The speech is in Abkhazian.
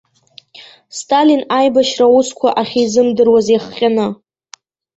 Сталин аибашьра аусқәа ахьизымдыруаз иахҟьаны.